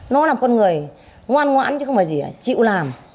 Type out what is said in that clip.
nó là con người ngoan ngoãn chứ không phải gì chịu làm